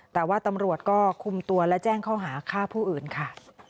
แต่ว่าตำรวจก็คุมตัวและแจ้งข้อหาฆ่าผู้อื่นค่ะ